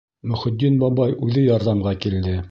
Мөхөтдин бабай үҙе ярҙамға килде.